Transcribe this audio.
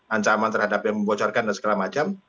ancaman terhadap yang membocorkan dan segala macam